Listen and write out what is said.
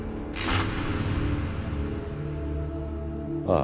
ああ。